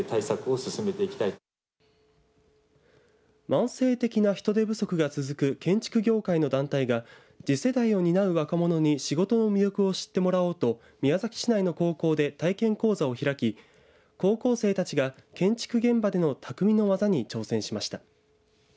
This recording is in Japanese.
慢性的な人手不足が続く建築業界の団体が次世代を担う若者に仕事の魅力を知ってもらおうと宮崎市内の高校で体験講座を開き高校生たちが建築現場での匠の技に挑戦しました。